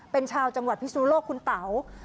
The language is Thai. เป็นชาวจังหวัดพิศนุโลกคุณเต๋า